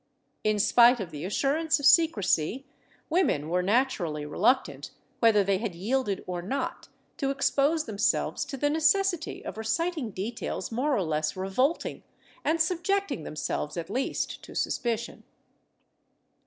In spite of the assurance of secrecy, women were naturally reluctant, whether they had yielded or not, to expose themselves to the necessity of reciting details more or less revolting, and subjecting themselves at least to suspicion.